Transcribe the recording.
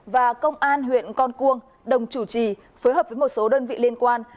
và công an huyện con cuông đồng chủ trì phối hợp với một số đơn vị liên quan